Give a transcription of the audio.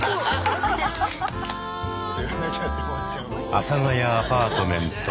「阿佐ヶ谷アパートメント」。